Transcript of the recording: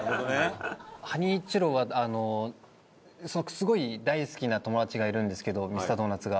すごい大好きな友達がいるんですけどミスタードーナツが。